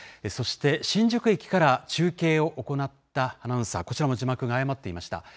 そして、新宿駅から中継を行ったアナウンサー、こちらも字幕が誤っていました。